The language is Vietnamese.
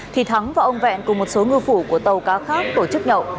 thì thắng và ông vẹn cùng một số ngư phủ của tàu cá khác tổ chức nhậu